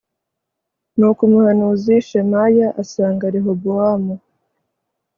nuko umuhanuzi shemaya asanga rehobowamu